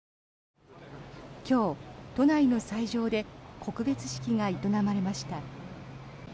今日、都内の斎場で告別式が営まれました。